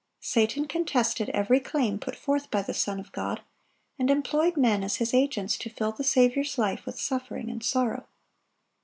Satan contested every claim put forth by the Son of God, and employed men as his agents to fill the Saviour's life with suffering and sorrow.